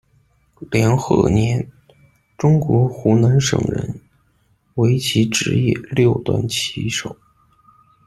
梁鹤年，中国湖南省人，围棋职业六段棋手。